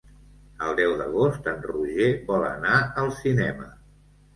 El deu d'agost en Roger vol anar al cinema.